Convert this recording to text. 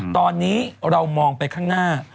ตอนนี้เรามองไปข้างหน้า